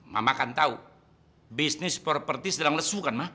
mama kan tau bisnis properti sedang lesu kan ma